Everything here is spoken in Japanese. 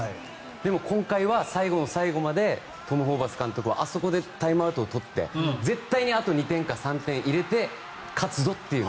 でも今回は最後の最後までトム・ホーバス監督はあそこでタイムアウトを取って絶対にあと２点か３点入れて勝つぞという。